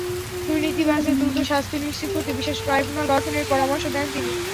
দুর্নীতিবাজদের দ্রুত শাস্তি নিশ্চিত করতে বিশেষ ট্রাইব্যুনাল গঠনের পরামর্শ দেন তিনি।